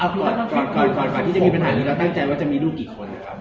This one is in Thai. ก่อนที่จะมีปัญหานี้แล้วตั้งใจว่ามีรูปกี่คน